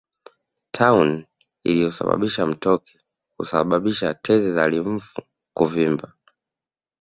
Tauni inayosababisha mtoki husababisha tezi za limfu kuvimba